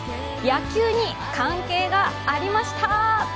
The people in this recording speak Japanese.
野球に関係がありました。